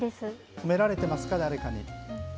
褒められてますか、誰かに。